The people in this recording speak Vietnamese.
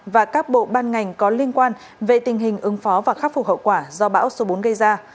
và các bộ ban ngành có liên quan về tình hình ứng phó và khắc phục hậu quả do bão số bốn gây ra